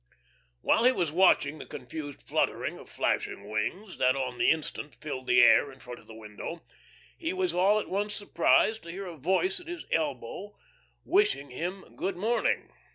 While he was watching the confused fluttering of flashing wings, that on the instant filled the air in front of the window, he was all at once surprised to hear a voice at his elbow, wishing him good morning.